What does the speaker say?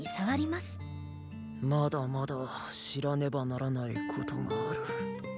まだまだ知らねばならないことがある。